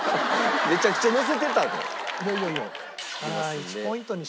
めちゃくちゃのせてたで。